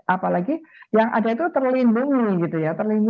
apalagi yang ada itu terlindungi